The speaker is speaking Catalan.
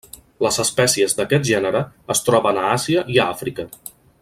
Les espècies d'aquest gènere es troben a Àsia i a Àfrica.